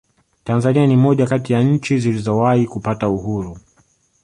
tanzania ni moja kati ya nchi zilizowahi kupata uhuru